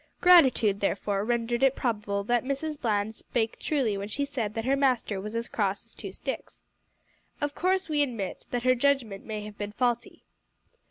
Gratitude, therefore, rendered it probable that Mrs Bland spake truly when she said that her master was as cross as two sticks. Of course we admit that her judgment may have been faulty.